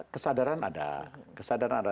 kesadaran ada kesadaran ada